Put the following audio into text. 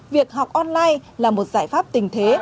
việc học online là một giải pháp tình thế